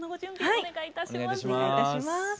お願いいたします。